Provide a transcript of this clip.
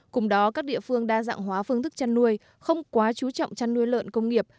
cùng đó các địa phương đa dạng hóa phương thức chăn nuôi không quá chú trọng chăn nuôi lợn công nghiệp